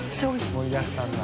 岩）盛りだくさんだ。